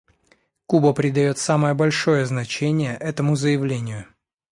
Куба придает самое большое значение этому заявлению.